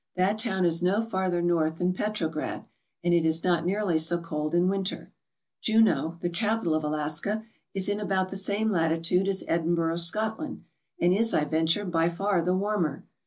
That town is no farther north than Petrograd, and it is not' nearly so cold in winter. Juneau, the capital of Alaska, is in about the same latitude as Edinburgh, Scotland, and is, I venture, by far the warmer.